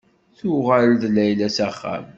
Tuɣal-d Layla s axxam.